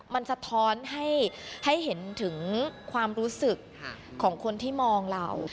มันสะท้อนให้เห็นถึงความรู้สึกของคนที่มองเรา